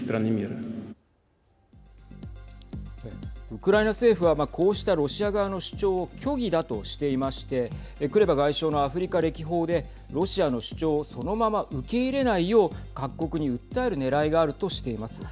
ウクライナ政府はこうしたロシア側の主張を虚偽だとしていましてクレバ外相のアフリカ歴訪でロシアの主張をそのまま受け入れないよう各国に訴えるねらいがあるとしています。